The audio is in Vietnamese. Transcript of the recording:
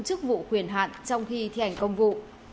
chức vụ quyền hạn trong khi thi hành công vụ